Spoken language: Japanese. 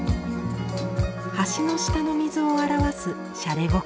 橋の下の水を表すシャレ心。